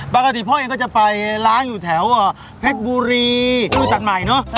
ปกติพ่อเองก็จะไปล้างอยู่แถวอ่าแพทย์บุรีอุตสัตว์ใหม่เนอะ